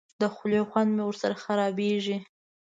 د خولې خوند مې ورسره خرابېږي.